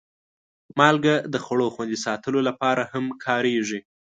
مالګه د خوړو خوندي ساتلو لپاره هم کارېږي.